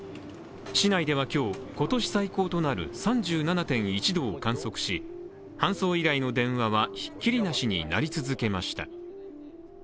市内では今日、今年最高となる３７．１度を観測し搬送依頼の電話はひっきりなしに鳴り続けました。